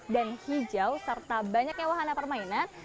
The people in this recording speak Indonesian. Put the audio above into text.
dan hijau serta banyaknya wahana permainan